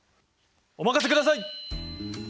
お任せください！